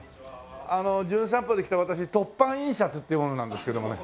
あの『じゅん散歩』で来た私凸版印刷っていう者なんですけどもね。